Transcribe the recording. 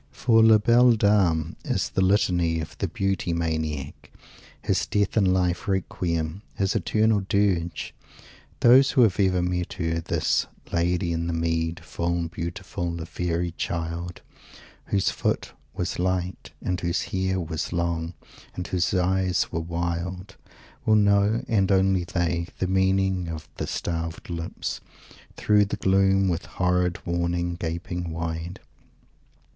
For "La Belle Dame" is the Litany of the Beauty Maniac his death in life Requiem, his eternal Dirge! Those who have ever met Her, this "Lady in the mead, full beautiful, a fairy child," whose foot "was light" and whose hair "was long" and whose eyes "were wild," will know and only they the meaning of "the starved lips, through the gloom, with horrid warning, gaping wide"!